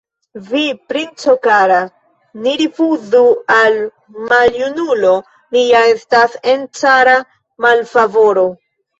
Vi, princo kara, ne rifuzu al maljunulo, mi ja estas en cara malfavoro!